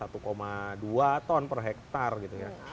ton per hektar gitu ya